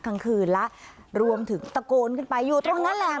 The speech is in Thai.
กลางคืนแล้วรวมถึงตะโกนขึ้นไปอยู่ตรงนั้นแหละ